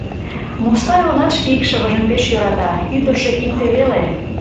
Мустай онат шке икшывыжым пеш йӧрата: ӱдыржӧ икте веле.